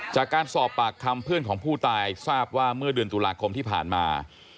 จากการสอบปากคำเพื่อนของผู้ตายทราบว่าเมื่อเดือนตุลาคมที่ผ่านมา